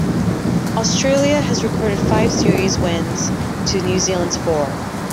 Australia have recorded five series wins to New Zealand's four.